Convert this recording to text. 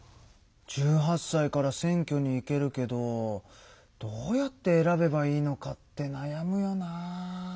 １８さいから選挙に行けるけどどうやって選べばいいのかってなやむよな。